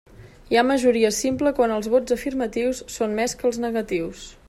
Hi ha majoria simple quan els vots afirmatius són més que els negatius.